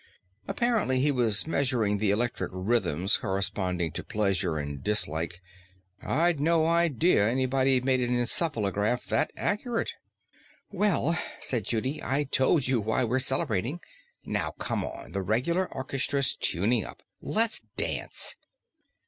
"Apparently he was measuring the electric rhythms corresponding to pleasure and dislike. I'd no idea anybody'd made an encephalograph that accurate." "Well," said Judy, "I've told you why we're celebrating. Now come on, the regular orchestra's tuning up. Let's dance."